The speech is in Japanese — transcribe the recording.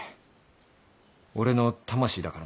俺の魂だからな。